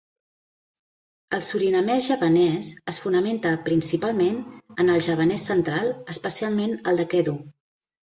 El surinamès javanès es fonamenta principalment en el javanès central, especialment el de Kedu.